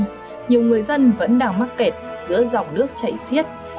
hôm nay nhiều người dân vẫn đang mắc kẹt giữa dòng nước chảy xiết